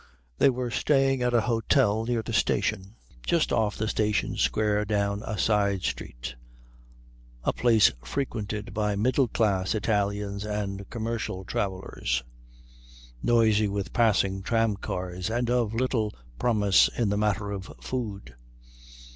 They were staying at an hôtel near the station, just off the station square down a side street, a place frequented by middle class Italians and commercial travellers, noisy with passing tramcars, and of little promise in the matter of food.